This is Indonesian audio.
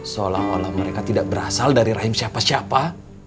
seolah olah mereka tidak berasal dari rahim siapa siapa